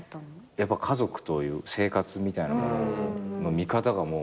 やっぱ家族という生活みたいなものの見方がもうまるで。